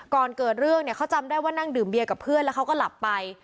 ก่อนเกิดเรื่องเนี่ยเขาจำได้ว่านั่งดื่มเบียร์กับเพื่อนแล้วเขาก็หลับไป